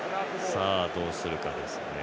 さあ、どうするかですね。